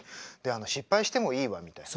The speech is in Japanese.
「失敗してもいいわ」みたいな。